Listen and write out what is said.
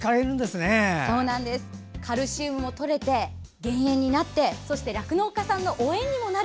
カルシウムもとれて減塩になって酪農家さんの応援にもなる。